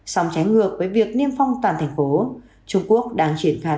song trái ngược với việc niêm phong toàn thành phố trung quốc đang triển khai